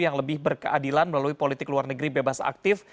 yang lebih berkeadilan melalui politik luar negeri bebas aktif